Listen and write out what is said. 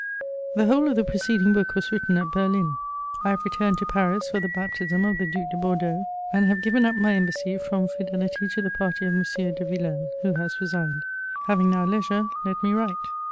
The whole of the preceding book was written at Berlin. I have returned to Paris for the baptism of the Due de Bor deaux, and have given up my embassy from fidelity to the party of M. de VillMe, who has resigned. Having now leisure, let me write.